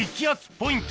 ポイント